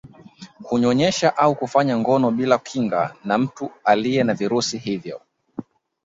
kunyonyesha au kufanya ngono bila kinga na mtu aliye na virusi hivyo